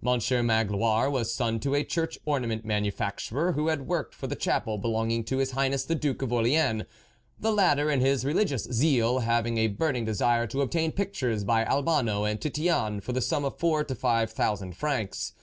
Monsieur Magloire was son to a church ornament manufacturer who had worked for the chapel belonging to his Highness the Duke of Orleans, the latter, in his re ligious zeal having a burning desire to obtain pictures by Albano and Titian for the sum of four to five thousand francs.